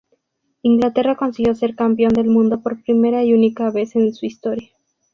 Inglaterra consiguió ser campeón del mundo por primera y única vez en su historia.